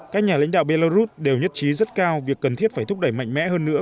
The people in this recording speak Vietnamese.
các nhà lãnh đạo belarus đều nhất trí rất cao việc cần thiết phải thúc đẩy mạnh mẽ hơn nữa